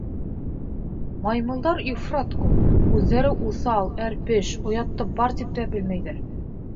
Маймылдар ифрат күп, үҙҙәре уҫал, әрпеш, оятты бар тип тә белмәйҙәр.